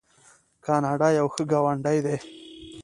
کاناډا یو ښه ګاونډی دی.